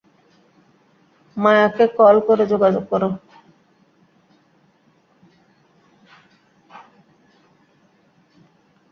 মায়াকে কল করে যোগাযোগ করো।